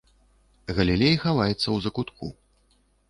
Галілей хаваецца ў закутку.